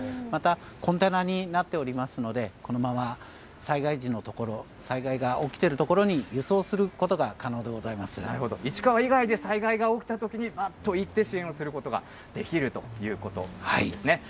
また、コンテナになっておりますので、このまま災害時の所、災害が起きている所に輸送することがなるほど、市川以外で災害が起きたときに、ぱっと行って支援をすることができるということですね。